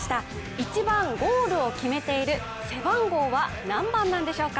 一番ゴールを決めている背番号は何番なんでしょうか。